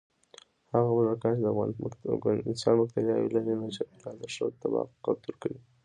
هغه موږکان چې د انسان بکتریاوې لري، نوي چاپېریال ته ښه تطابق شو.